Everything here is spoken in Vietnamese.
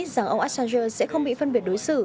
rằng ông assanger sẽ không bị phân biệt đối xử